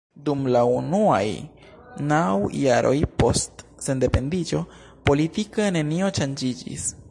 Dum la unuaj naŭ jaroj post sendependiĝo politike nenio ŝanĝiĝis.